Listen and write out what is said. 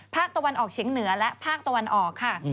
ภาคตะวันออกเฉียงเหนือและภาคตะวันออกค่ะ